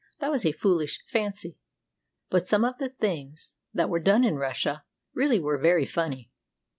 That was a foolish fancy, but some of the things that were done in Russia really were very funny.